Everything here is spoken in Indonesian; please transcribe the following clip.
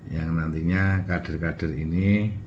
yang nantinya kader kader ini